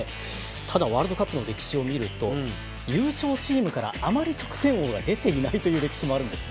ただワールドカップの歴史を見ると優勝チームからあまり得点王が出ていないという歴史もあるんですが。